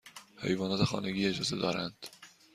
حیوانات خانگی اجازه دارند؟